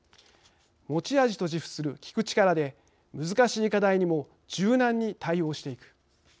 持ち味と自負する聞く力で難しい課題にも柔軟に対応していく。